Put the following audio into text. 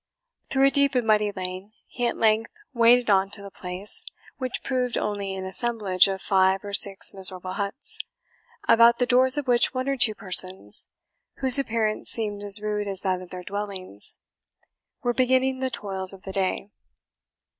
Through a deep and muddy lane, he at length waded on to the place, which proved only an assemblage of five or six miserable huts, about the doors of which one or two persons, whose appearance seemed as rude as that of their dwellings, were beginning the toils of the day.